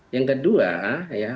yang kedua ya